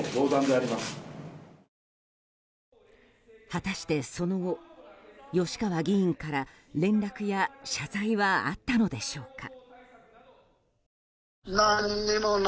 果たしてその後、吉川議員から連絡や謝罪はあったのでしょうか。